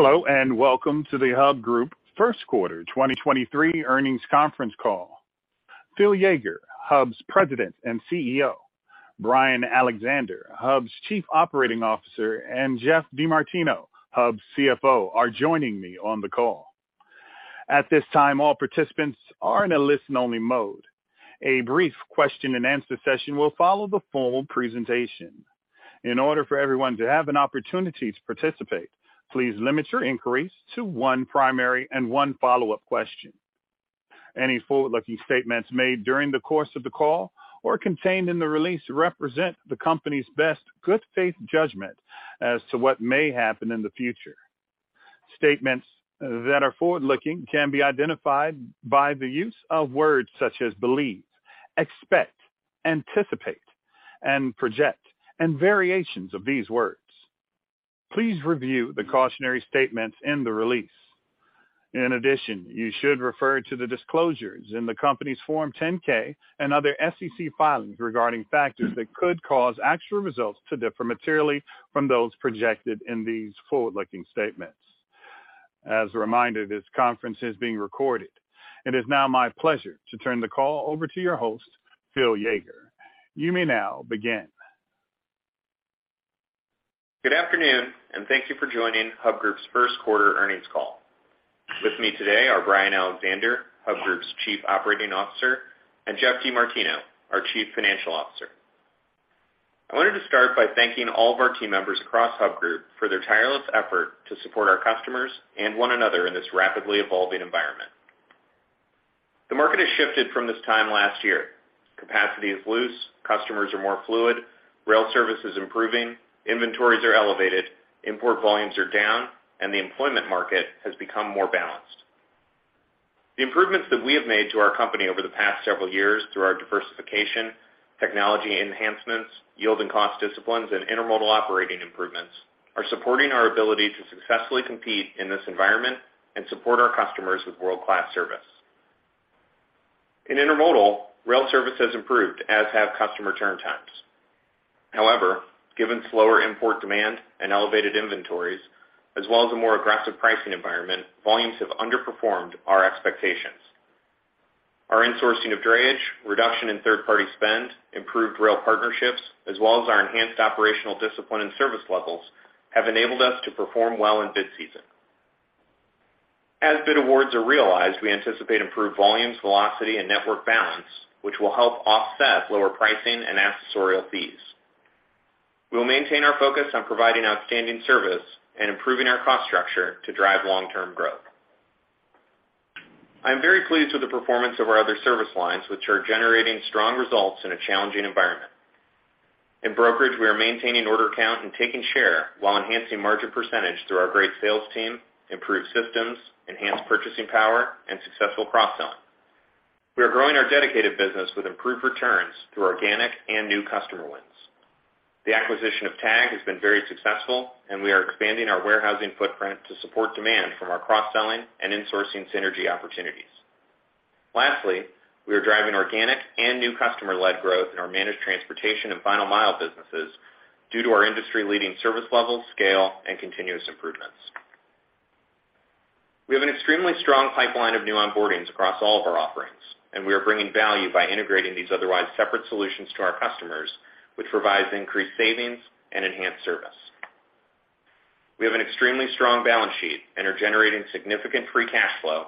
Hello, welcome to the Hub Group First Quarter 2023 Earnings Conference Call. Phil Yeager, Hub's President and CEO, Brian Alexander, Hub's Chief Operating Officer, and Geoff DeMartino, Hub's CFO, are joining me on the call. At this time, all participants are in a listen-only mode. A brief question-and-answer session will follow the full presentation. In order for everyone to have an opportunity to participate, please limit your inquiries to one primary and one follow-up question. Any forward-looking statements made during the course of the call or contained in the release represent the company's best good faith judgment as to what may happen in the future. Statements that are forward-looking can be identified by the use of words such as believe, expect, anticipate, and project, and variations of these words. Please review the cautionary statements in the release. You should refer to the disclosures in the company's Form 10-K and other SEC filings regarding factors that could cause actual results to differ materially from those projected in these forward-looking statements. As a reminder, this conference is being recorded. It is now my pleasure to turn the call over to your host, Phil Yeager. You may now begin. Good afternoon. Thank you for joining Hub Group's First Quarter Earnings Call. With me today are Brian Alexander, Hub Group's Chief Operating Officer, and Geoff DeMartino, our Chief Financial Officer. I wanted to start by thanking all of our team members across Hub Group for their tireless effort to support our customers and one another in this rapidly evolving environment. The market has shifted from this time last year. Capacity is loose, customers are more fluid, rail service is improving, inventories are elevated, import volumes are down, and the employment market has become more balanced. The improvements that we have made to our company over the past several years through our diversification, technology enhancements, yield and cost disciplines, and intermodal operating improvements are supporting our ability to successfully compete in this environment and support our customers with world-class service. In intermodal, rail service has improved as have customer turn times. Given slower import demand and elevated inventories, as well as a more aggressive pricing environment, volumes have underperformed our expectations. Our insourcing of drayage, reduction in third-party spend, improved rail partnerships, as well as our enhanced operational discipline and service levels, have enabled us to perform well in bid season. As bid awards are realized, we anticipate improved volumes, velocity, and network balance, which will help offset lower pricing and accessorial fees. We will maintain our focus on providing outstanding service and improving our cost structure to drive long-term growth. I am very pleased with the performance of our other service lines, which are generating strong results in a challenging environment. In brokerage, we are maintaining order count and taking share while enhancing margin percentage through our great sales team, improved systems, enhanced purchasing power, and successful cross-selling. We are growing our dedicated business with improved returns through organic and new customer wins. The acquisition of TAGG has been very successful, and we are expanding our warehousing footprint to support demand from our cross-selling and insourcing synergy opportunities. Lastly, we are driving organic and new customer-led growth in our managed transportation and final mile businesses due to our industry-leading service levels, scale, and continuous improvements. We have an extremely strong pipeline of new onboardings across all of our offerings, and we are bringing value by integrating these otherwise separate solutions to our customers, which provides increased savings and enhanced service. We have an extremely strong balance sheet and are generating significant free cash flow,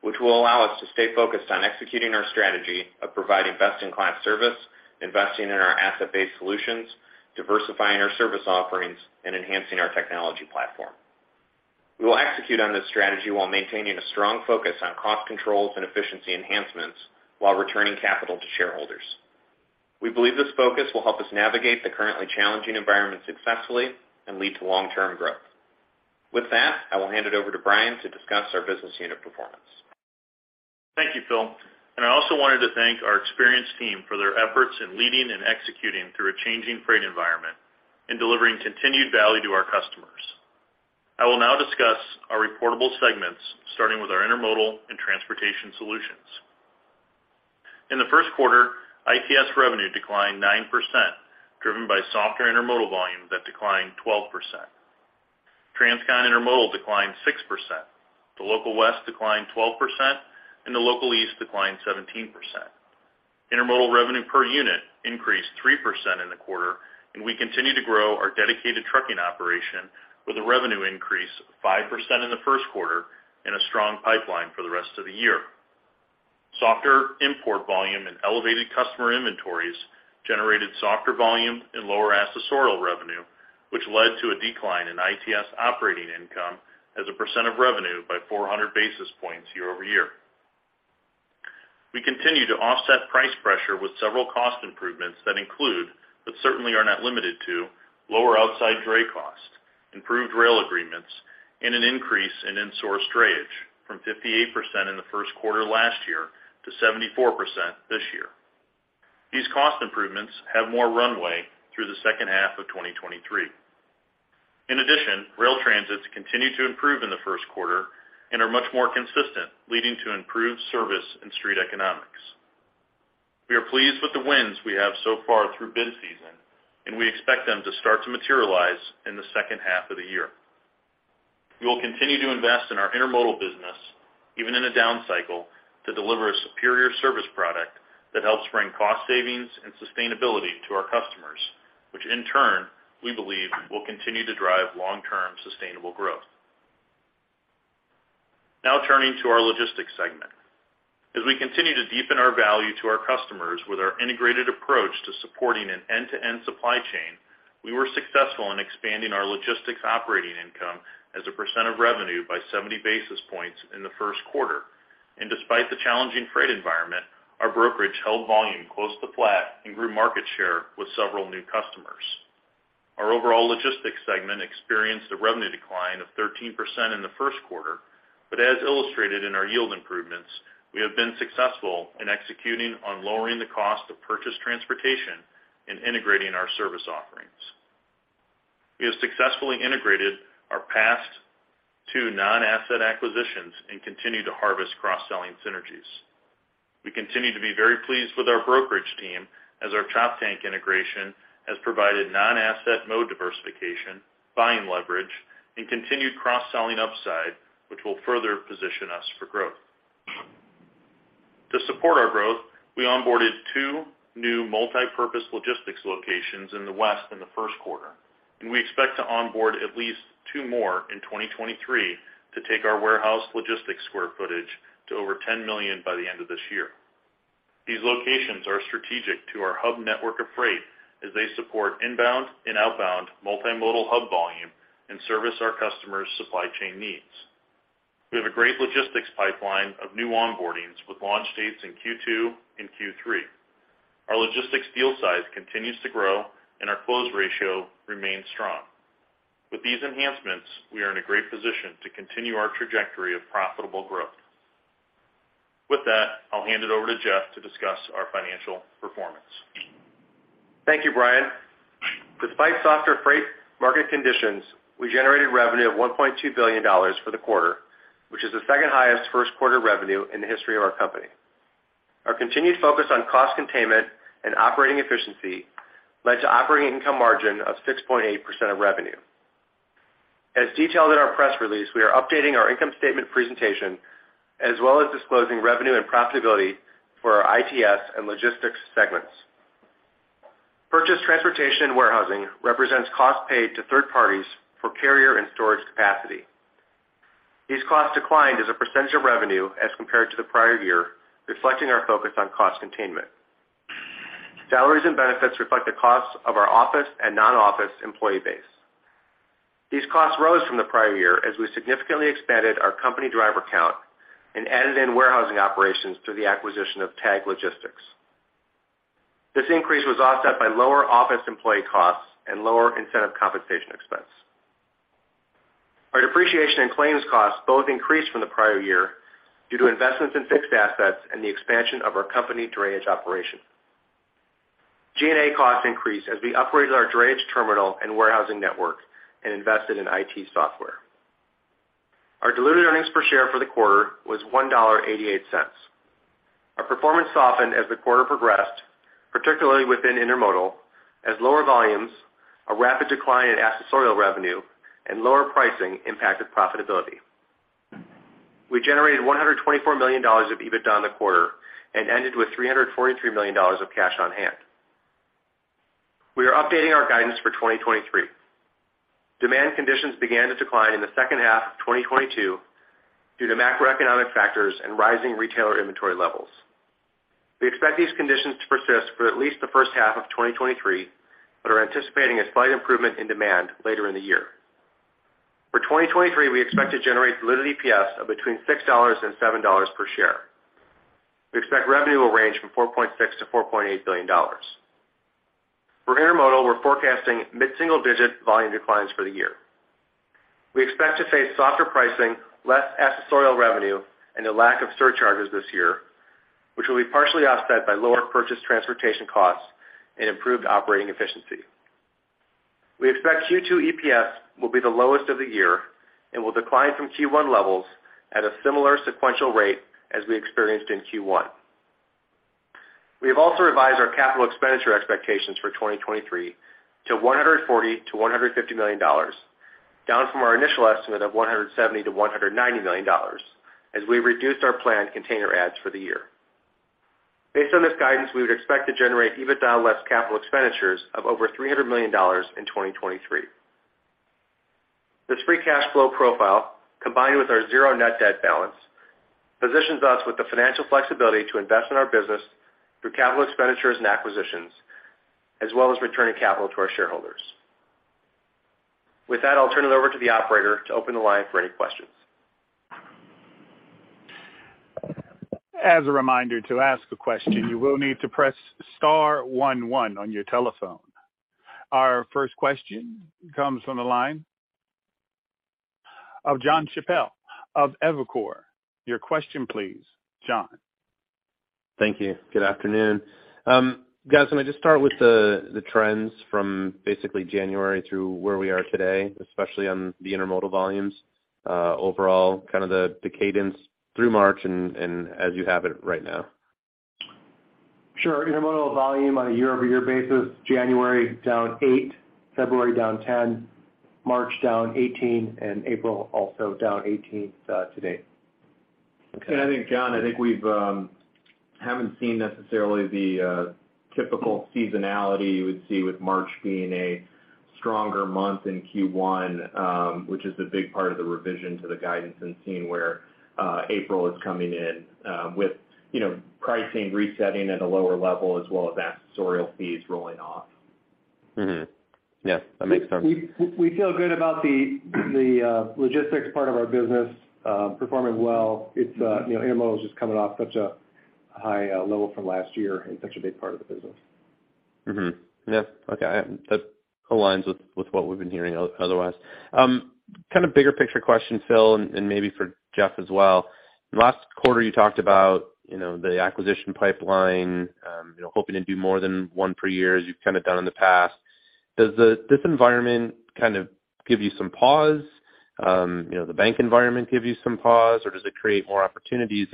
which will allow us to stay focused on executing our strategy of providing best-in-class service, investing in our asset-based solutions, diversifying our service offerings, and enhancing our technology platform. We will execute on this strategy while maintaining a strong focus on cost controls and efficiency enhancements while returning capital to shareholders. We believe this focus will help us navigate the currently challenging environment successfully and lead to long-term growth. With that, I will hand it over to Brian to discuss our business unit performance. Thank you, Phil. I also wanted to thank our experienced team for their efforts in leading and executing through a changing freight environment and delivering continued value to our customers. I will now discuss our reportable segments, starting with our intermodal and transportation solutions. In the first quarter, ITS revenue declined 9%, driven by softer intermodal volume that declined 12%. Transcon Intermodal declined 6%. The Local West declined 12%, and the Local East declined 17%. Intermodal revenue per unit increased 3% in the quarter, and we continue to grow our dedicated trucking operation with a revenue increase of 5% in the first quarter and a strong pipeline for the rest of the year. Softer import volume and elevated customer inventories generated softer volume and lower accessorial revenue, which led to a decline in ITS operating income as a percent of revenue by 400 basis points year-over-year. We continue to offset price pressure with several cost improvements that include, but certainly are not limited to, lower outside dray cost, improved rail agreements, and an increase in insourced drayage from 58% in the first quarter last year to 74% this year. These cost improvements have more runway through the second half of 2023. In addition, rail transits continued to improve in the first quarter and are much more consistent, leading to improved service and street economics. We are pleased with the wins we have so far through bid season, and we expect them to start to materialize in the second half of the year. We will continue to invest in our intermodal business, even in a down cycle, to deliver a superior service product that helps bring cost savings and sustainability to our customers, which in turn, we believe will continue to drive long-term sustainable growth. Now turning to our Logistics segment. As we continue to deepen our value to our customers with our integrated approach to supporting an end-to-end supply chain, we were successful in expanding our logistics operating income as a percent of revenue by 70 basis points in the first quarter. Despite the challenging freight environment, our brokerage held volume close to flat and grew market share with several new customers. Our overall Logistics segment experienced a revenue decline of 13% in the first quarter. As illustrated in our yield improvements, we have been successful in executing on lowering the cost of purchased transportation and integrating our service offerings. We have successfully integrated our past two non-asset acquisitions and continue to harvest cross-selling synergies. We continue to be very pleased with our brokerage team as our Choptank integration has provided non-asset mode diversification, buying leverage, and continued cross-selling upside, which will further position us for growth. To support our growth, we onboarded two new multipurpose logistics locations in the West in the first quarter, and we expect to onboard at least two more in 2023 to take our warehouse logistics square footage to over 10 million by the end of this year. These locations are strategic to our hub network of freight as they support inbound and outbound multimodal hub volume and service our customers' supply chain needs. We have a great logistics pipeline of new onboardings with launch dates in Q2 and Q3. Our logistics deal size continues to grow, and our close ratio remains strong. With these enhancements, we are in a great position to continue our trajectory of profitable growth. With that, I'll hand it over to Geoff to discuss our financial performance. Thank you, Brian. Despite softer freight market conditions, we generated revenue of $1.2 billion for the quarter, which is the second-highest first quarter revenue in the history of our company. Our continued focus on cost containment and operating efficiency led to operating income margin of 6.8% of revenue. As detailed in our press release, we are updating our income statement presentation, as well as disclosing revenue and profitability for our ITS and Logistics segments. Purchased transportation and warehousing represents costs paid to third parties for carrier and storage capacity. These costs declined as a percentage of revenue as compared to the prior year, reflecting our focus on cost containment. Salaries and benefits reflect the costs of our office and non-office employee base. These costs rose from the prior year as we significantly expanded our company driver count and added in warehousing operations through the acquisition of TAGG Logistics. This increase was offset by lower office employee costs and lower incentive compensation expense. Our depreciation and claims costs both increased from the prior year due to investments in fixed assets and the expansion of our company drayage operation. G&A costs increased as we upgraded our drayage terminal and warehousing network and invested in IT software. Our diluted earnings per share for the quarter was $1.88. Our performance softened as the quarter progressed, particularly within Intermodal, as lower volumes, a rapid decline in accessorial revenue, and lower pricing impacted profitability. We generated $124 million of EBITDA in the quarter and ended with $343 million of cash on hand. We are updating our guidance for 2023. Demand conditions began to decline in the second half of 2022 due to macroeconomic factors and rising retailer inventory levels. We expect these conditions to persist for at least the first half of 2023, but are anticipating a slight improvement in demand later in the year. For 2023, we expect to generate diluted EPS of between $6-$7 per share. We expect revenue will range from $4.6 billion-$4.8 billion. For Intermodal, we're forecasting mid-single-digit volume declines for the year. We expect to face softer pricing, less accessorial revenue, and a lack of surcharges this year, which will be partially offset by lower purchased transportation costs and improved operating efficiency. We expect Q2 EPS will be the lowest of the year and will decline from Q1 levels at a similar sequential rate as we experienced in Q1. We have also revised our capital expenditure expectations for 2023 to $140 million-$150 million, down from our initial estimate of $170 million-$190 million as we reduced our planned container adds for the year. Based on this guidance, we would expect to generate EBITDA less capital expenditures of over $300 million in 2023. This free cash flow profile, combined with our zero net debt balance, positions us with the financial flexibility to invest in our business through capital expenditures and acquisitions, as well as returning capital to our shareholders. With that, I'll turn it over to the operator to open the line for any questions. As a reminder, to ask a question, you will need to press star one one on your telephone. Our first question comes from the line of Jon Chappell of Evercore. Your question, please, Jon. Thank you. Good afternoon. Guys, can I just start with the trends from basically January through where we are today, especially on the intermodal volumes? Overall kind of the cadence through March and as you have it right now? Sure. Intermodal volume on a year-over-year basis, January down 8%, February down 10%, March down 18%, and April also down 18% to date. Okay. I think, Jon, I think we've haven't seen necessarily the typical seasonality you would see with March being a stronger month in Q1, which is a big part of the revision to the guidance, and seeing where April is coming in, with, you know, pricing resetting at a lower level as well as accessorial fees rolling off. That makes sense. We feel good about the logistics part of our business, performing well. It's, you know, intermodal is just coming off such a high level from last year and such a big part of the business. Yeah. Okay. That aligns with what we've been hearing otherwise. Kind of bigger picture question, Phil, and maybe for Geoff as well. Last quarter, you talked about, you know, the acquisition pipeline, hoping to do more than one per year as you've kind of done in the past. Does this environment kind of give you some pause? You know, the bank environment give you some pause, or does it create more opportunities?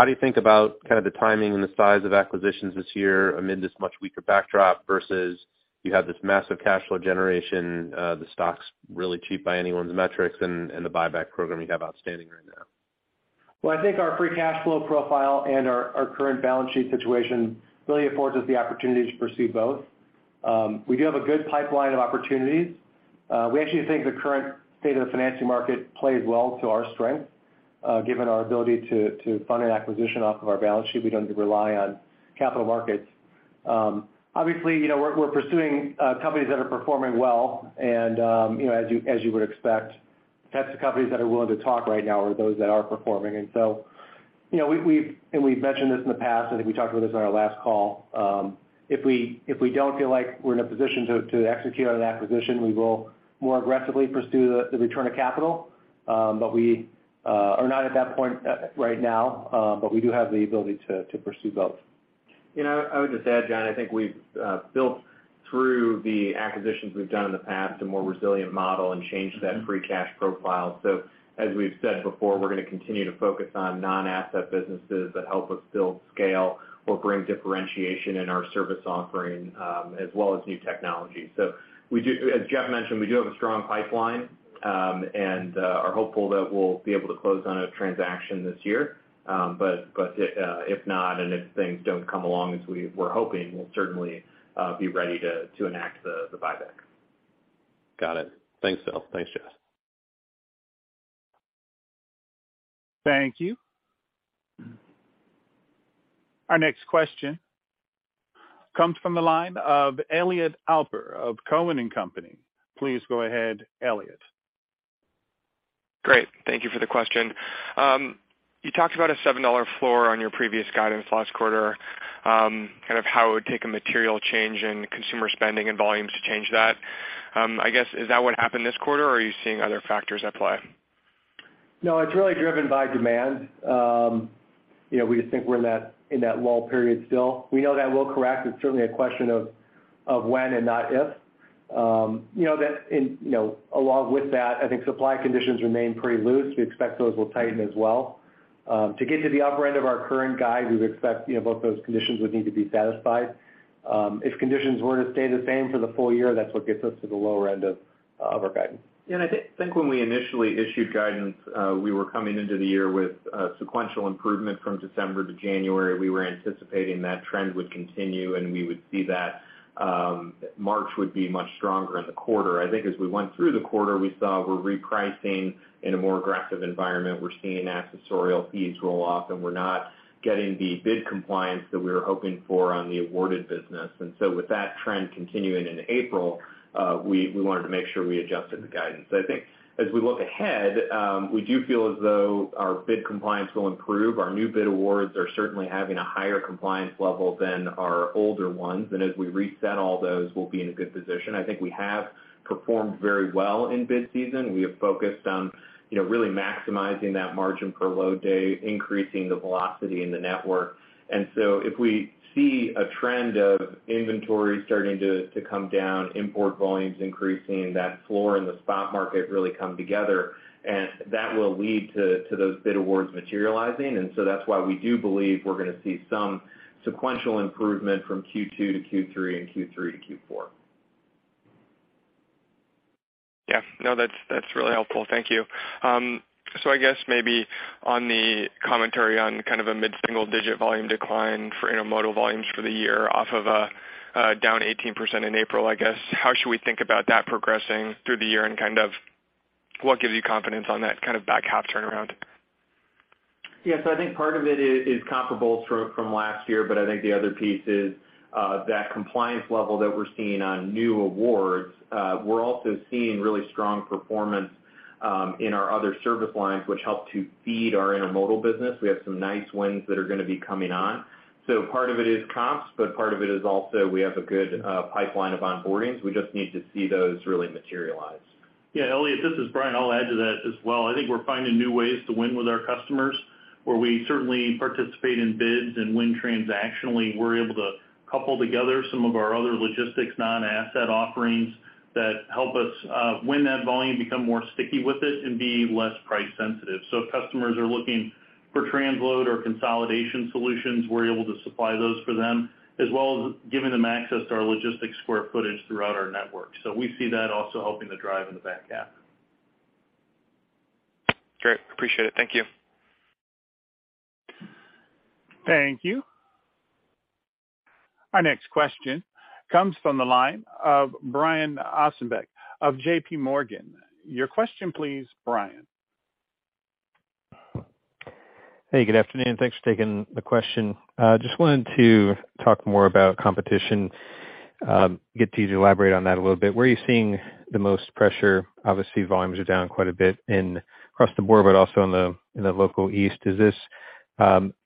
How do you think about kind of the timing and the size of acquisitions this year amid this much weaker backdrop versus you have this massive cash flow generation, the stock's really cheap by anyone's metrics and the buyback program you have outstanding right now? Well, I think our free cash flow profile and our current balance sheet situation really affords us the opportunity to pursue both. We do have a good pipeline of opportunities. We actually think the current state of the financing market plays well to our strength, given our ability to fund an acquisition off of our balance sheet. We don't need to rely on capital markets. Obviously, you know, we're pursuing companies that are performing well and, you know, as you would expect, that's the companies that are willing to talk right now are those that are performing. You know, we've, and we've mentioned this in the past, I think we talked about this on our last call. If we don't feel like we're in a position to execute on an acquisition, we will more aggressively pursue the return of capital. We are not at that point right now, but we do have the ability to pursue both. You know, I would just add, Jon, I think we've built through the acquisitions we've done in the past, a more resilient model and changed that free cash profile. As we've said before, we're gonna continue to focus on non-asset businesses that help us build scale or bring differentiation in our service offering, as well as new technology. We do, as Geoff mentioned, we do have a strong pipeline, and are hopeful that we'll be able to close on a transaction this year. But if not, and if things don't come along as we were hoping, we'll certainly be ready to enact the buyback. Got it. Thanks, Phil. Thanks, Geoff. Thank you. Our next question comes from the line of Elliot Alper of Cowen and Company. Please go ahead, Elliot. Great. Thank you for the question. You talked about a $7 floor on your previous guidance last quarter, kind of how it would take a material change in consumer spending and volumes to change that. I guess, is that what happened this quarter, or are you seeing other factors at play? No, it's really driven by demand. You know, we just think we're in that, in that lull period still. We know that will correct. It's certainly a question of when and not if. You know, that in, you know, along with that, I think supply conditions remain pretty loose. We expect those will tighten as well. To get to the upper end of our current guide, we would expect, you know, both those conditions would need to be satisfied. If conditions were to stay the same for the full year, that's what gets us to the lower end of our guidance. Yeah, I think when we initially issued guidance, we were coming into the year with sequential improvement from December to January. We were anticipating that trend would continue, and we would see that March would be much stronger in the quarter. I think as we went through the quarter, we saw we're repricing in a more aggressive environment. We're seeing accessorial fees roll off, and we're not getting the bid compliance that we were hoping for on the awarded business. With that trend continuing into April, we wanted to make sure we adjusted the guidance. I think as we look ahead, we do feel as though our bid compliance will improve. Our new bid awards are certainly having a higher compliance level than our older ones. As we reset all those, we'll be in a good position. I think we have performed very well in bid season. We have focused on, you know, really maximizing that margin per load day, increasing the velocity in the network. If we see a trend of inventory starting to come down, import volumes increasing, that floor in the spot market really come together, and that will lead to those bid awards materializing. That's why we do believe we're gonna see some sequential improvement from Q2 to Q3 and Q3 to Q4. Yeah. No, that's really helpful. Thank you. I guess maybe on the commentary on kind of a mid-single-digit volume decline for intermodal volumes for the year off of a down 18% in April, I guess, how should we think about that progressing through the year and kind of what gives you confidence on that kind of back half turnaround? Yeah. I think part of it is comparables from last year. I think the other piece is that compliance level that we're seeing on new awards. We're also seeing really strong performance in our other service lines, which help to feed our intermodal business. We have some nice wins that are gonna be coming on. Part of it is comps, part of it is also we have a good pipeline of onboardings. We just need to see those really materialize. Yeah, Elliot, this is Brian. I'll add to that as well. I think we're finding new ways to win with our customers. Where we certainly participate in bids and win transactionally, we're able to couple together some of our other logistics non-asset offerings that help us win that volume, become more sticky with it, and be less price sensitive. If customers are looking for transload or consolidation solutions, we're able to supply those for them, as well as giving them access to our logistics square footage throughout our network. We see that also helping the drive in the back half. Great. Appreciate it. Thank you. Thank you. Our next question comes from the line of Brian Ossenbeck of JPMorgan. Your question, please, Brian. Hey, good afternoon. Thanks for taking the question. Just wanted to talk more about competition, get you to elaborate on that a little bit. Where are you seeing the most pressure? Obviously, volumes are down quite a bit across the board, but also in the Local East. Is this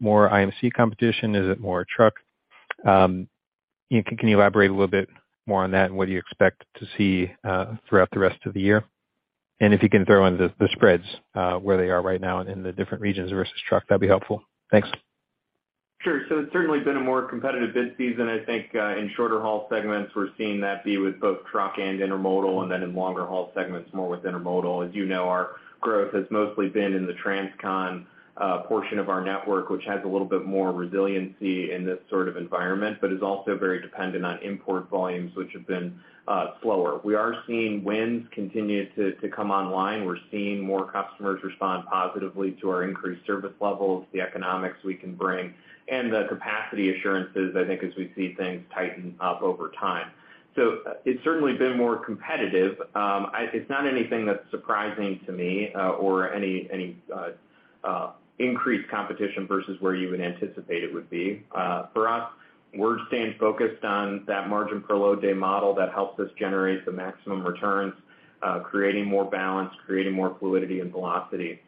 more IMC competition? Is it more truck? Can you elaborate a little bit more on that and what do you expect to see throughout the rest of the year? If you can throw in the spreads, where they are right now in the different regions versus truck, that'd be helpful. Thanks. It's certainly been a more competitive bid season. I think, in shorter haul segments, we're seeing that be with both truck and intermodal, and then in longer haul segments, more with intermodal. As you know, our growth has mostly been in the transcon portion of our network, which has a little bit more resiliency in this sort of environment, but is also very dependent on import volumes, which have been slower. We are seeing wins continue to come online. We're seeing more customers respond positively to our increased service levels, the economics we can bring, and the capacity assurances, I think, as we see things tighten up over time. It's certainly been more competitive. It's not anything that's surprising to me, or any increased competition versus where you would anticipate it would be. For us, we're staying focused on that margin per load day model that helps us generate the maximum returns, creating more balance, creating more fluidity and velocity.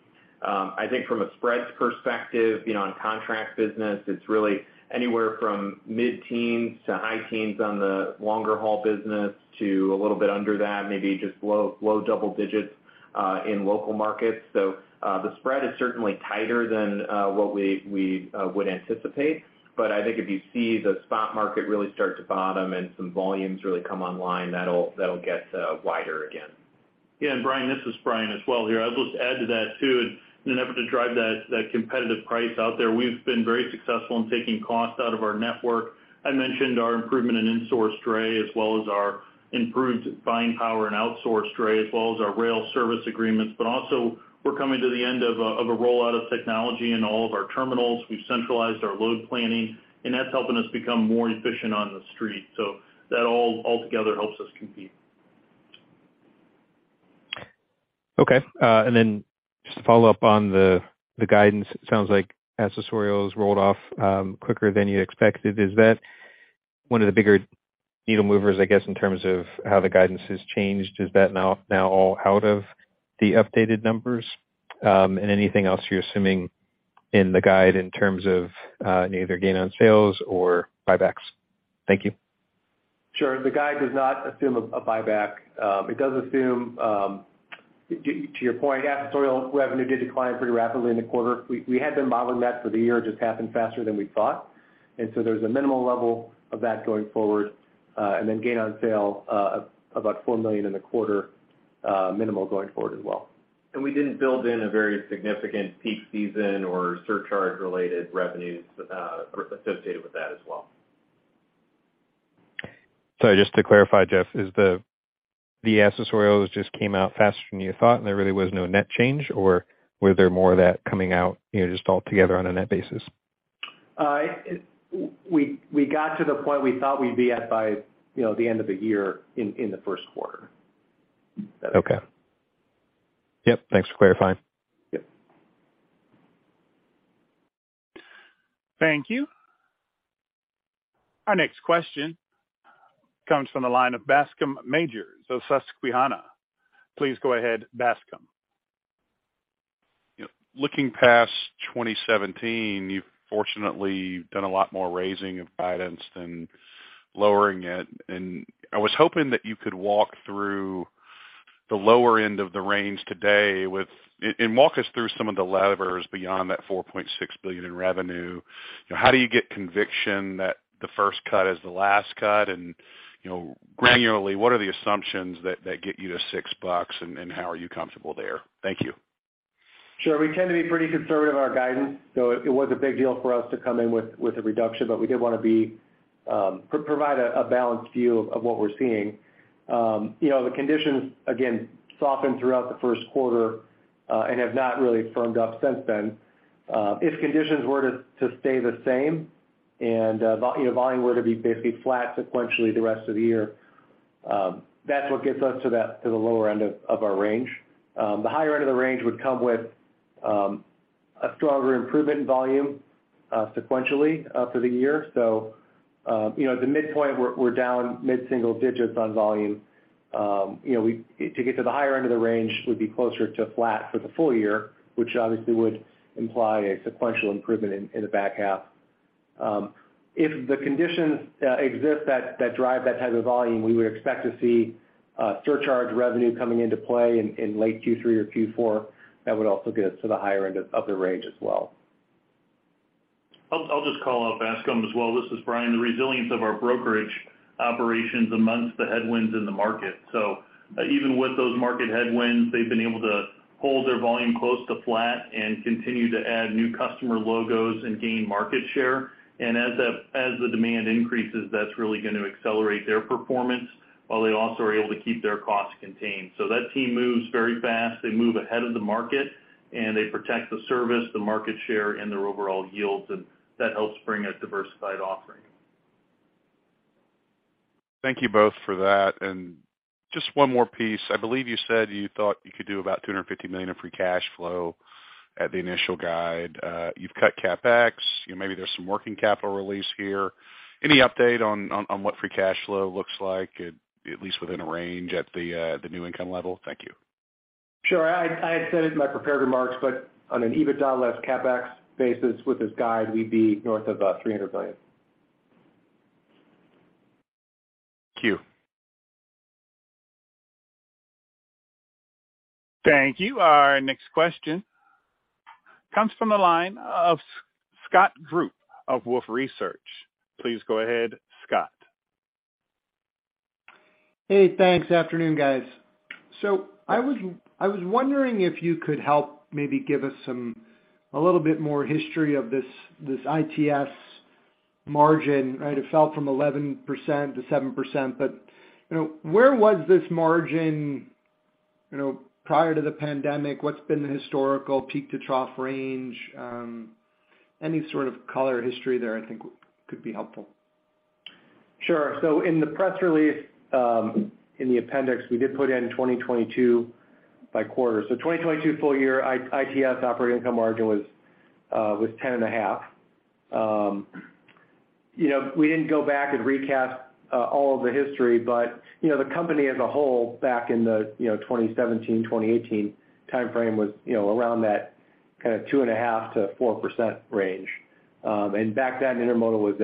I think from a spreads perspective, you know, on contract business, it's really anywhere from mid-teens to high teens on the longer haul business to a little bit under that, maybe just low double digits in local markets. The spread is certainly tighter than what we would anticipate. I think if you see the spot market really start to bottom and some volumes really come online, that'll get wider again. Yeah. Brian, this is Brian as well here. I'll just add to that too. In an effort to drive that competitive price out there, we've been very successful in taking costs out of our network. I mentioned our improvement in insourced dray, as well as our improved buying power and outsourced dray, as well as our rail service agreements. Also we're coming to the end of a rollout of technology in all of our terminals. We've centralized our load planning, and that's helping us become more efficient on the street. That all altogether helps us compete. Then just to follow up on the guidance, it sounds like accessorial has rolled off quicker than you expected. Is that one of the bigger needle movers, I guess, in terms of how the guidance has changed, is that now all out of the updated numbers? Anything else you're assuming in the guide in terms of either gain on sales or buybacks? Thank you. Sure. The guide does not assume a buyback. It does assume, to your point, accessorial revenue did decline pretty rapidly in the quarter. We had been modeling that for the year, it just happened faster than we thought. There's a minimal level of that going forward, Gain on sale, about $4 million in the quarter, minimal going forward as well. We didn't build in a very significant peak season or surcharge-related revenues associated with that as well. Just to clarify, Geoff, is the accessorials just came out faster than you thought and there really was no net change, or were there more of that coming out, you know, just all together on a net basis? We got to the point we thought we'd be at by, you know, the end of the year in the first quarter. Okay. Yep. Thanks for clarifying. Yep. Thank you. Our next question comes from the line of Bascome Majors, Susquehanna. Please go ahead, Bascom. Looking past 2017, you've fortunately done a lot more raising of guidance than lowering it. I was hoping that you could walk through the lower end of the range today and walk us through some of the levers beyond that $4.6 billion in revenue. You know, how do you get conviction that the first cut is the last cut? You know, granularly, what are the assumptions that get you to $6, and how are you comfortable there? Thank you. Sure. We tend to be pretty conservative in our guidance, so it was a big deal for us to come in with a reduction. We did wanna be provide a balanced view of what we're seeing. You know, the conditions, again, softened throughout the first quarter and have not really firmed up since then. If conditions were to stay the same and, you know, volume were to be basically flat sequentially the rest of the year, that's what gets us to the lower end of our range. The higher end of the range would come with a stronger improvement in volume sequentially for the year. You know, at the midpoint, we're down mid-single digits on volume. You know, to get to the higher end of the range would be closer to flat for the full year, which obviously would imply a sequential improvement in the back half. If the conditions exist that drive that type of volume, we would expect to see surcharge revenue coming into play in late Q3 or Q4. That would also get us to the higher end of the range as well. I'll just call out Bascom as well. This is Brian. The resilience of our brokerage operations amongst the headwinds in the market. Even with those market headwinds, they've been able to hold their volume close to flat and continue to add new customer logos and gain market share. As the demand increases, that's really gonna accelerate their performance while they also are able to keep their costs contained. That team moves very fast, they move ahead of the market, and they protect the service, the market share, and their overall yields, and that helps bring a diversified offering. Thank you both for that. Just one more piece. I believe you said you thought you could do about $250 million in free cash flow at the initial guide. You've cut CapEx. You know, maybe there's some working capital release here. Any update on what free cash flow looks like, at least within a range at the new income level? Thank you. Sure. I had said it in my prepared remarks, but on an EBITDA less CapEx basis, with this guide, we'd be north of $300 million. Thank you. Thank you. Our next question comes from the line of Scott Group of Wolfe Research. Please go ahead, Scott. Hey, thanks. Afternoon, guys. I was wondering if you could help maybe give us some, a little bit more history of this ITS margin. Right? It fell from 11% to 7%, you know, where was this margin, you know, prior to the pandemic? What's been the historical peak to trough range? Any sort of color history there, I think could be helpful. Sure. In the press release, in the appendix, we did put in 2022 by quarter. 2022 full year ITS operating income margin was 10.5%. You know, we didn't go back and recast all of the history, but, you know, the company as a whole back in the, you know, 2017, 2018 timeframe was, you know, around that kind of 2.5%-4% range. And back then, intermodal was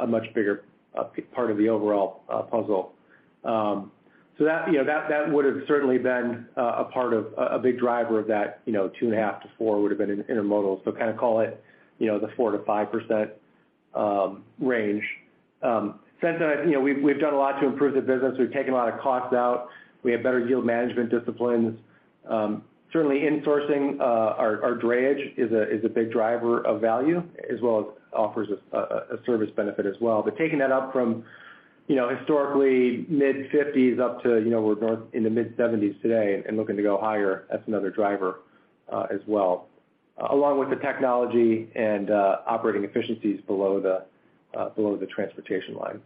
a much bigger part of the overall puzzle. That, you know, that would've certainly been a part of a big driver of that. You know, 2.5%-4% would've been in intermodal. Kind of call it, you know, the 4%-5% range. Since then, you know, we've done a lot to improve the business. We've taken a lot of costs out. We have better yield management disciplines. Certainly insourcing our drayage is a big driver of value as well as offers a service benefit as well. Taking that up from, you know, historically mid-fifties up to, you know, we're north in the mid-seventies today and looking to go higher, that's another driver as well. Along with the technology and operating efficiencies below the transportation line.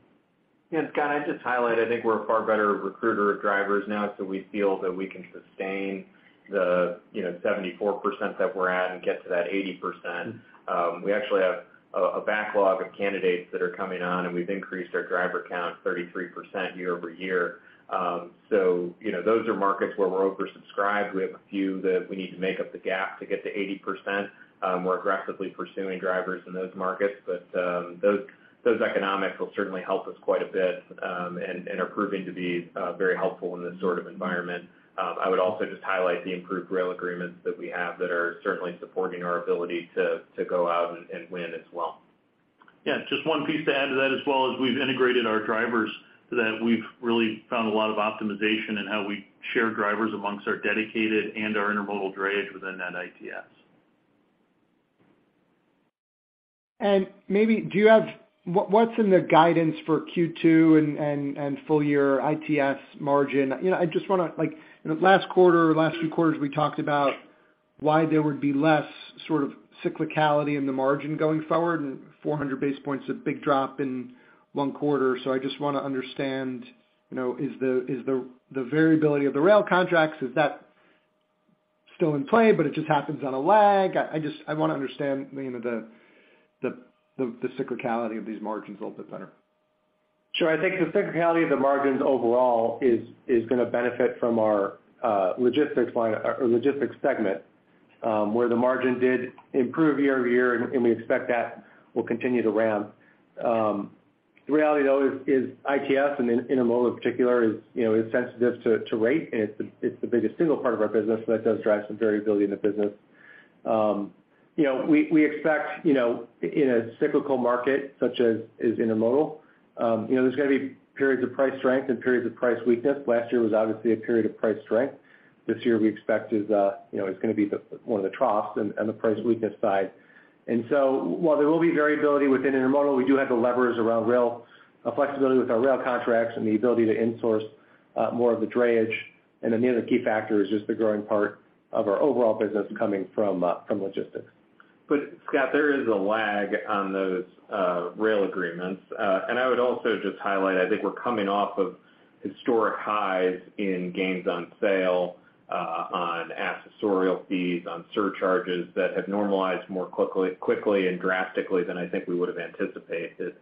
Yeah. Scott, I'd just highlight, I think we're a far better recruiter of drivers now, so we feel that we can sustain the, you know, 74% that we're at and get to that 80%. We actually have a backlog of candidates that are coming on, and we've increased our driver count 33% year-over-year. You know, those are markets where we're oversubscribed. We have a few that we need to make up the gap to get to 80%. We're aggressively pursuing drivers in those markets. Those, those economics will certainly help us quite a bit, and are proving to be very helpful in this sort of environment. I would also just highlight the improved rail agreements that we have that are certainly supporting our ability to go out and win as well. Just one piece to add to that as well, is we've integrated our drivers, that we've really found a lot of optimization in how we share drivers amongst our dedicated and our intermodal drayage within that ITS. Maybe do you have-- What's in the guidance for Q2 and full-year ITS margin? You know, I just wanna, like, last quarter or last few quarters, we talked about why there would be less sort of cyclicality in the margin going forward, and 400 basis points, a big drop in one quarter. I just wanna understand, you know, is the variability of the rail contracts, is that still in play, but it just happens on a lag? I just wanna understand, you know, the cyclicality of these margins a little bit better. Sure. I think the cyclicality of the margins overall is gonna benefit from our logistics line or logistics segment, where the margin did improve year-over-year, and we expect that will continue to ramp. The reality though is ITS and in intermodal particular is, you know, is sensitive to rate, and it's the biggest single part of our business. That does drive some variability in the business. You know, we expect, you know, in a cyclical market such as is intermodal, you know, there's gonna be periods of price strength and periods of price weakness. Last year was obviously a period of price strength. This year we expect is, you know, is gonna be the one of the troughs on the price weakness side. While there will be variability within intermodal, we do have the levers around rail, flexibility with our rail contracts and the ability to insource more of the drayage. The other key factor is just the growing part of our overall business coming from from logistics. Scott, there is a lag on those rail agreements. I would also just highlight, I think we're coming off of historic highs in gains on sale, on accessorial fees, on surcharges that have normalized more quickly and drastically than I think we would have anticipated.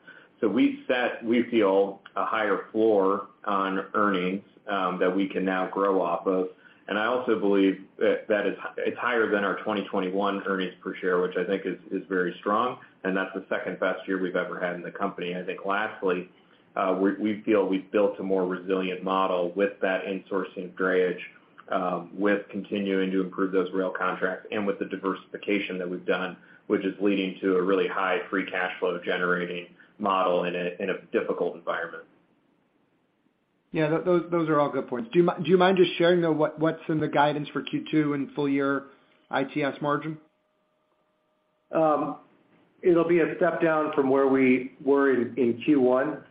We've set, we feel, a higher floor on earnings that we can now grow off of. I also believe that it's higher than our 2021 earnings per share, which I think is very strong. That's the second best year we've ever had in the company. I think lastly, we feel we've built a more resilient model with that insourcing drayage, with continuing to improve those rail contracts and with the diversification that we've done, which is leading to a really high free cash flow generating model in a difficult environment. Yeah, those are all good points. Do you mind just sharing though, what's in the guidance for Q2 and full-year ITS margin? It'll be a step down from where we were in Q1.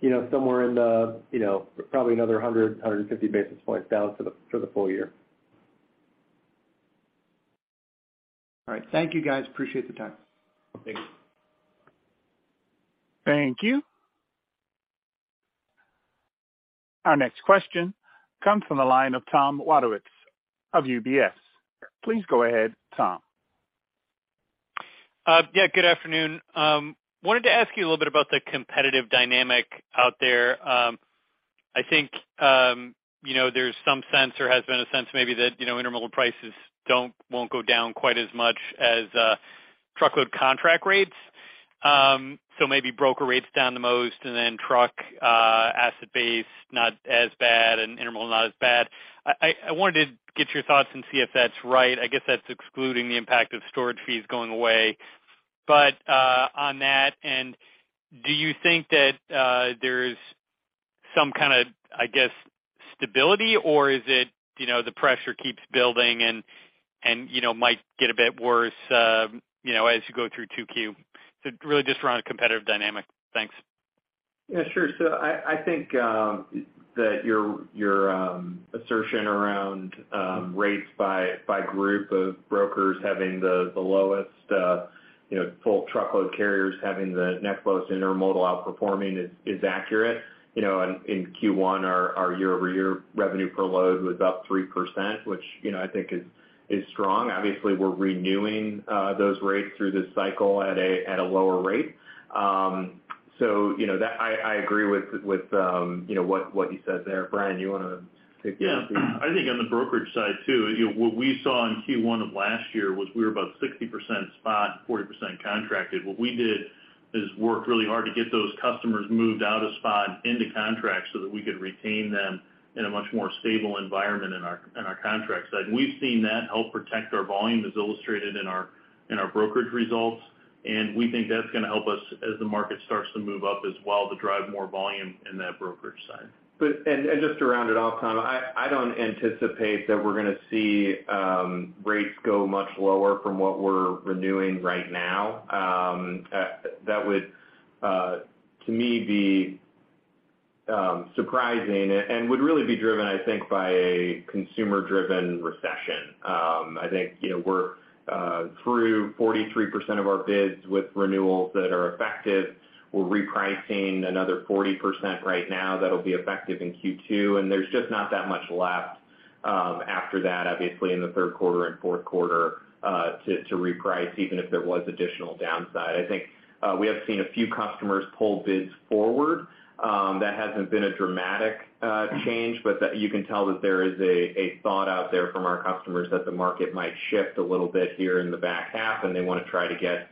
You know, somewhere in the, you know, probably another 150 basis points down for the full year. All right. Thank you guys. Appreciate the time. Thank you. Thank you. Our next question comes from the line of Tom Wadewitz of UBS. Please go ahead, Tom. Yeah, good afternoon. Wanted to ask you a little bit about the competitive dynamic out there. I think, you know, there's some sense or has been a sense maybe that, you know, intermodal prices don't, won't go down quite as much as truckload contract rates. Maybe broker rates down the most and then truck asset base not as bad and intermodal not as bad. I wanted to get your thoughts and see if that's right. I guess that's excluding the impact of storage fees going away. On that, and do you think that there's some kind of, I guess, stability, or is it, you know, the pressure keeps building and, you know, might get a bit worse, you know, as you go through 2Q? Really just around a competitive dynamic. Thanks. Yeah, sure. I think that your assertion around rates by group of brokers having the lowest full truckload carriers having the next lowest intermodal outperforming is accurate. In Q1, our year-over-year revenue per load was up 3%, which I think is strong. Obviously, we're renewing those rates through this cycle at a lower rate. I agree with what you said there. Brian, you wanna take this one? I think on the brokerage side too, you know, what we saw in Q1 of last year was we were about 60% spot, 40% contracted. What we did is work really hard to get those customers moved out of spot into contracts so that we could retain them in a much more stable environment in our contract side. We've seen that help protect our volume as illustrated in our brokerage results, we think that's gonna help us as the market starts to move up as well to drive more volume in that brokerage side. Just to round it off, Tom, I don't anticipate that we're gonna see rates go much lower from what we're renewing right now. That would to me be surprising and would really be driven, I think, by a consumer driven recession. I think, you know, we're through 43% of our bids with renewals that are effective. We're repricing another 40% right now that'll be effective in Q2, and there's just not that much left after that, obviously in the third quarter and fourth quarter to reprice, even if there was additional downside. I think we have seen a few customers pull bids forward. That hasn't been a dramatic change, but that you can tell that there is a thought out there from our customers that the market might shift a little bit here in the back half, and they want to try to get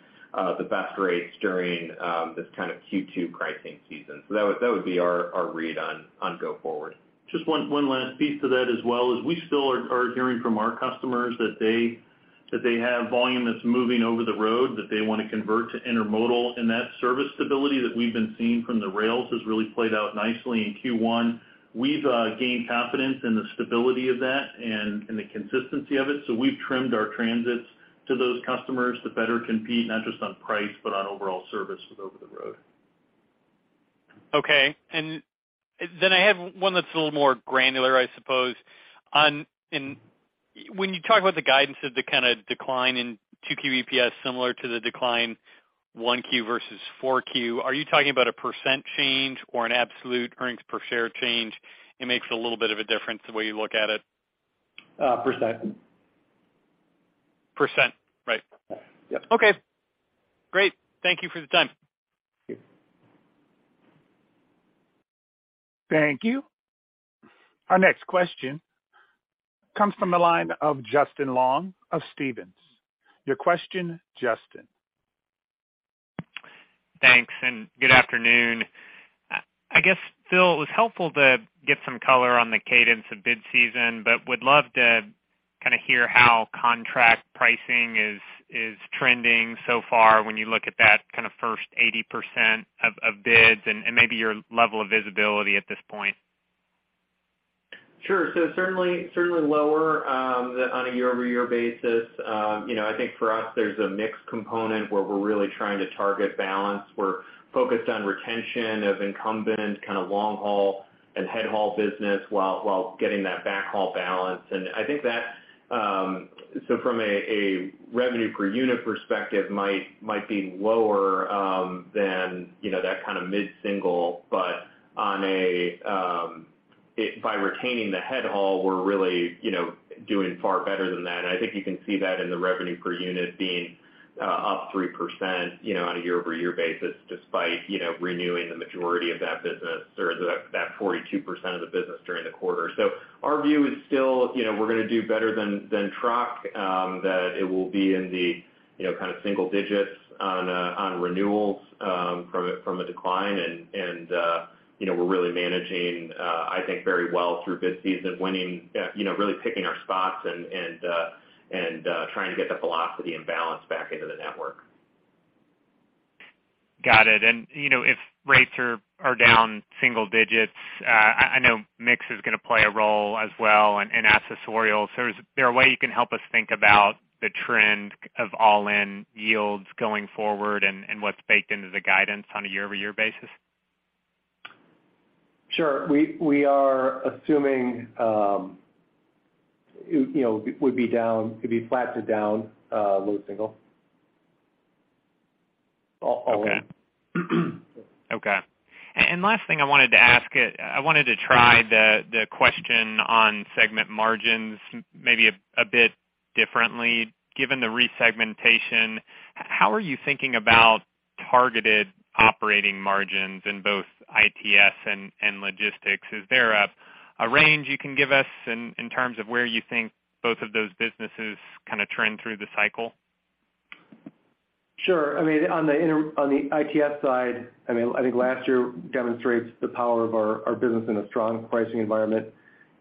the best rates during this kind of Q2 pricing season. That would be our read on go forward. Just one last piece to that as well, is we still are hearing from our customers that they have volume that's moving over the road that they want to convert to intermodal. That service stability that we've been seeing from the rails has really played out nicely in Q1. We've gained confidence in the stability of that and the consistency of it. We've trimmed our transits to those customers to better compete, not just on price, but on overall service with over the road. I have one that's a little more granular, I suppose. When you talk about the guidance of the kind of decline in 2Q EPS similar to the decline 1Q versus 4Q, are you talking about a percent change or an absolute earnings per share change? It makes a little bit of a difference the way you look at it. Percent. Percent. Right. Yep. Okay, great. Thank you for the time. Thank you. Thank you. Our next question comes from the line of Justin Long of Stephens. Your question, Justin. Thanks, and good afternoon. I guess, Phil, it was helpful to get some color on the cadence of bid season, but would love to kinda hear how contract pricing is trending so far when you look at that kind of first 80% of bids and maybe your level of visibility at this point. Sure. Certainly lower, on a year-over-year basis. You know, I think for us, there's a mixed component where we're really trying to target balance. We're focused on retention of incumbent kind of long haul and head haul business, while getting that backhaul balance. I think that, from a revenue per unit perspective might be lower than, you know, that kind of mid-single, but on a, by retaining the head haul, we're really, you know, doing far better than that. I think you can see that in the revenue per unit being up 3%, you know, on a year-over-year basis despite, you know, renewing the majority of that business or that 42% of the business during the quarter. Our view is still, you know, we're gonna do better than truck, that it will be in the, you know, kind of single digits on renewals from a decline. You know, we're really managing I think very well through bid season, winning, you know, really picking our spots and trying to get the velocity and balance back into the network. Got it. You know, if rates are down single digits, I know mix is gonna play a role as well and accessorial. Is there a way you can help us think about the trend of all-in yields going forward and what's baked into the guidance on a year-over-year basis? Sure. We are assuming, you know, it would be down, could be flat to down, low single. Okay. Last thing I wanted to ask, I wanted to try the question on segment margins maybe a bit differently. Given the resegmentation, how are you thinking about targeted operating margins in both ITS and logistics? Is there a range you can give us in terms of where you think both of those businesses kind of trend through the cycle? Sure. I mean, on the ITS side, I mean, I think last year demonstrates the power of our business in a strong pricing environment.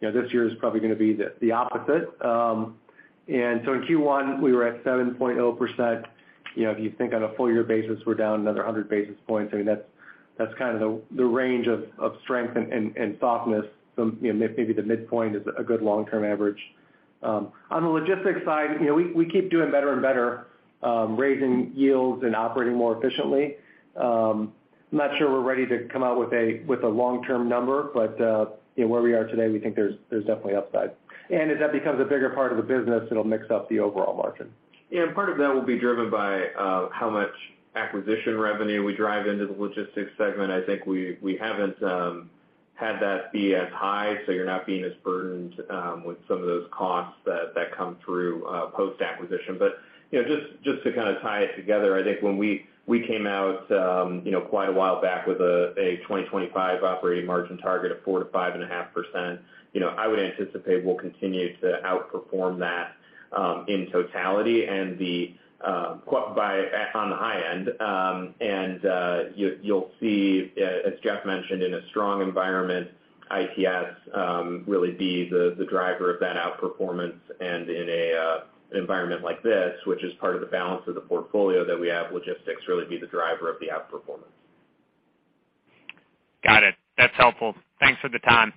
You know, this year is probably gonna be the opposite. In Q1, we were at 7.0%. You know, if you think on a full year basis, we're down another 100 basis points. I mean, that's kind of the range of strength and softness from, you know, maybe the midpoint is a good long-term average. On the logistics side, you know, we keep doing better and better, raising yields and operating more efficiently. I'm not sure we're ready to come out with a long-term number, but, you know, where we are today, we think there's definitely upside. As that becomes a bigger part of the business, it'll mix up the overall margin. Yeah. Part of that will be driven by how much acquisition revenue we drive into the logistics segment. I think we haven't had that be as high, so you're not being as burdened with some of those costs that come through post-acquisition. You know, just to kind of tie it together, I think when we came out, you know, quite a while back with a 2025 operating margin target of 4%-5.5%, you know, I would anticipate we'll continue to outperform that in totality and by, on the high end. And you'll see, as Geoff mentioned, in a strong environment, ITS really be the driver of that outperformance. In an environment like this, which is part of the balance of the portfolio that we have, logistics really be the driver of the outperformance. Got it. That's helpful. Thanks for the time.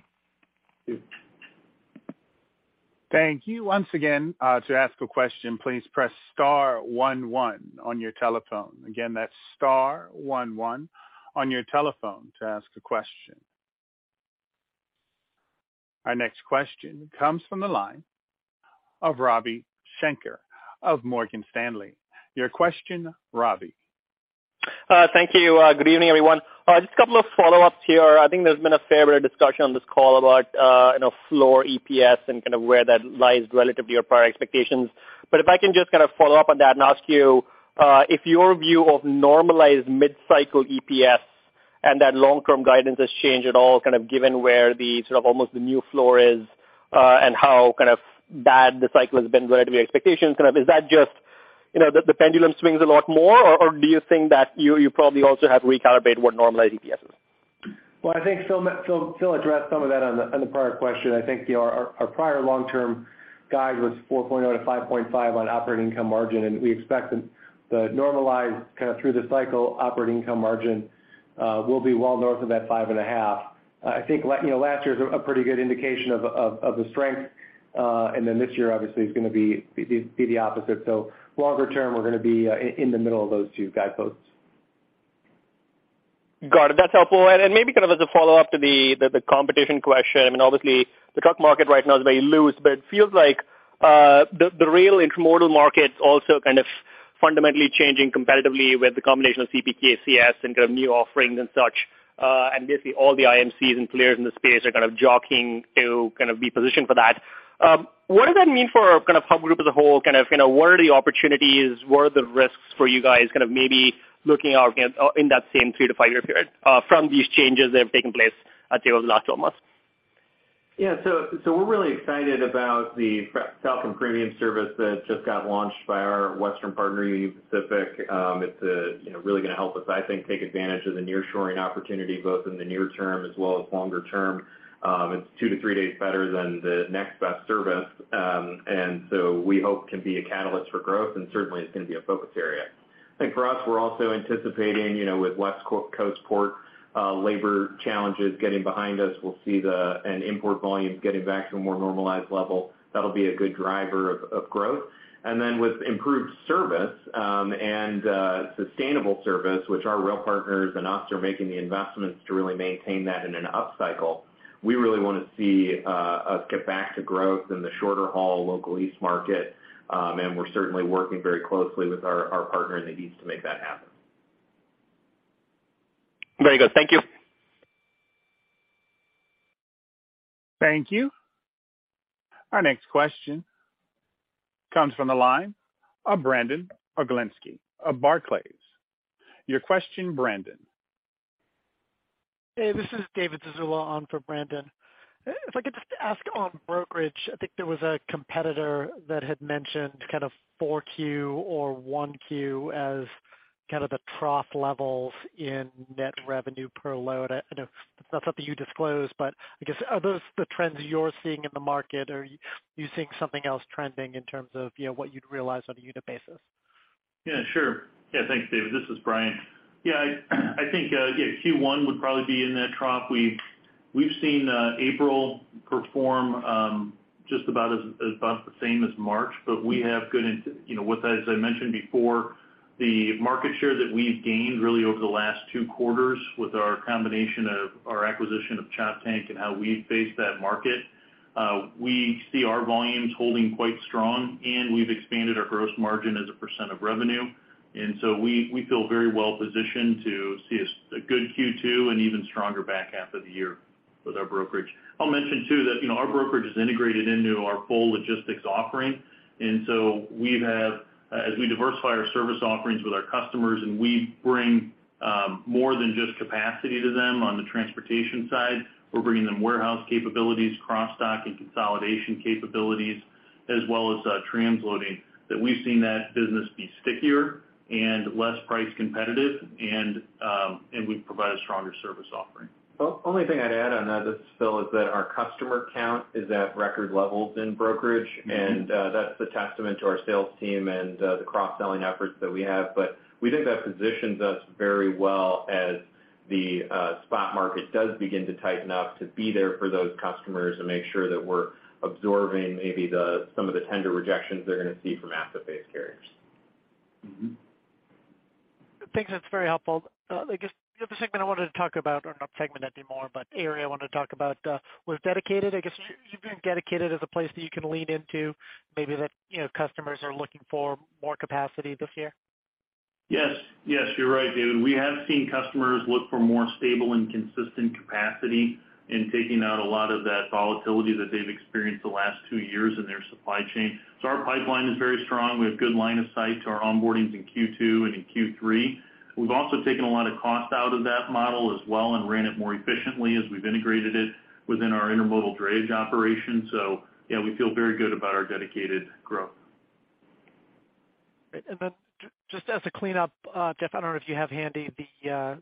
Thank you. Thank you. Once again, to ask a question, please press star one one on your telephone. Again, that's star one one on your telephone to ask a question. Our next question comes from the line of Ravi Shanker of Morgan Stanley. Your question, Ravi. Thank you. Good evening, everyone. Just a couple of follow-ups here. I think there's been a fair bit of discussion on this call about, you know, floor EPS and kind of where that lies relative to your prior expectations. If I can just kind of follow up on that and ask you if your view of normalized mid-cycle EPS and that long-term guidance has changed at all, kind of given where the sort of almost the new floor is and how kind of bad the cycle has been relative to your expectations, kind of is that just, you know, the pendulum swings a lot more? Or do you think that you probably also have recalibrated what normalized EPS is? Well, I think Phil addressed some of that on the prior question. I think, you know, our prior long-term guide was 4.0%-5.5% on operating income margin, and we expect the normalized kind of through the cycle operating income margin will be well north of that 5.5%. I think, you know, last year is a pretty good indication of the strength. Then this year obviously is gonna be the opposite. Longer term, we're gonna be in the middle of those two guideposts. Got it. That's helpful. Maybe kind of as a follow-up to the competition question, I mean, obviously the truck market right now is very loose, but it feels like the rail intermodal market's also kind of fundamentally changing competitively with the combination of CPKC and kind of new offerings and such. Basically all the IMCs and players in the space are kind of jockeying to be positioned for that. What does that mean for kind of Hub Group as a whole? You know, where are the opportunities? Where are the risks for you guys kind of maybe looking out, again, in that same three to five year period, from these changes that have taken place, I'd say over the last 12 months? Yeah. We're really excited about the Falcon Premium service that just got launched by our western partner, Union Pacific. It's, you know, really gonna help us, I think, take advantage of the nearshoring opportunity, both in the near term as well as longer term. It's two to three days better than the next best service. We hope can be a catalyst for growth, and certainly it's gonna be a focus area. I think for us, we're also anticipating, you know, with West Coast Port labor challenges getting behind us. We'll see an import volume getting back to a more normalized level. That'll be a good driver of growth. With improved service, and sustainable service, which our rail partners and us are making the investments to really maintain that in an upcycle, we really wanna see us get back to growth in the shorter haul Local East market. We're certainly working very closely with our partner in the east to make that happen. Very good. Thank you. Thank you. Our next question comes from the line of Brandon Oglenski of Barclays. Your question, Brandon. Hey, this is David Zazula on for Brandon. If I could just ask on brokerage. I think there was a competitor that had mentioned kind of 4Q or 1Q as kind of the trough levels in net revenue per load. I know that's not something you disclose, but I guess are those the trends you're seeing in the market? Are you seeing something else trending in terms of, you know, what you'd realize on a unit basis? Yeah, sure. Yeah. Thanks, David. This is Brian. Yeah, I think, yeah, Q1 would probably be in that trough. We've seen April perform just about as about the same as March. You know, with that, as I mentioned before, the market share that we've gained really over the last two quarters with our combination of our acquisition of Choptank and how we face that market, we see our volumes holding quite strong, and we've expanded our gross margin as a percent of revenue. We feel very well positioned to see a good Q2 and even stronger back half of the year with our brokerage. I'll mention too that, you know, our brokerage is integrated into our full logistics offering, and so we have, as we diversify our service offerings with our customers, and we bring, more than just capacity to them on the transportation side, we're bringing them warehouse capabilities, cross dock and consolidation capabilities, as well as, transloading, that we've seen that business be stickier and less price competitive and we provide a stronger service offering. Well, only thing I'd add on that, this is Phil, is that our customer count is at record levels in brokerage. That's the testament to our sales team and, the cross-selling efforts that we have. We think that positions us very well as the spot market does begin to tighten up, to be there for those customers and make sure that we're absorbing maybe some of the tender rejections they're gonna see from asset-based carriers. Thanks. That's very helpful. I guess the other segment I wanted to talk about, or not segment anymore, but area I wanted to talk about, was dedicated. I guess you've been dedicated as a place that you can lean into maybe that, you know, customers are looking for more capacity this year. Yes, you're right, David. We have seen customers look for more stable and consistent capacity in taking out a lot of that volatility that they've experienced the last two years in their supply chain. Our pipeline is very strong. We have good line of sight to our onboardings in Q2 and in Q three. We've also taken a lot of cost out of that model as well and ran it more efficiently as we've integrated it within our intermodal drayage operation. Yeah, we feel very good about our dedicated growth. Great. Just as a cleanup, Geoff, I don't know if you have handy the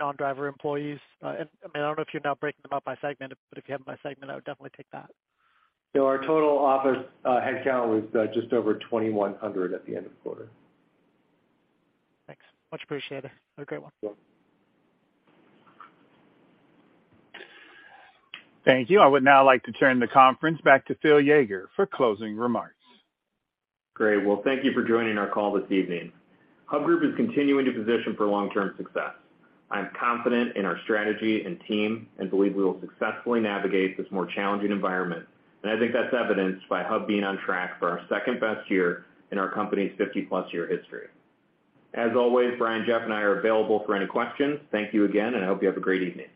non-driver employees. I mean, I don't know if you're now breaking them up by segment, but if you have them by segment, I would definitely take that. Our total office headcount was just over 2,100 at the end of the quarter. Thanks. Much appreciated. Have a great one. Sure. Thank you. I would now like to turn the conference back to Phil Yeager for closing remarks. Great. Well, thank you for joining our call this evening. Hub Group is continuing to position for long-term success. I am confident in our strategy and team and believe we will successfully navigate this more challenging environment. I think that's evidenced by Hub being on track for our second-best year in our company's 50+ year history. As always, Brian, Geoff, and I are available for any questions. Thank you again, I hope you have a great evening.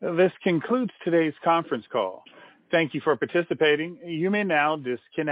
This concludes today's conference call. Thank Thank you for participating. You may now disconnect.